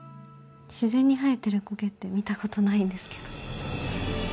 自然に生えてる苔って見たことないんですけど。